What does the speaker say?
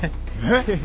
えっ！？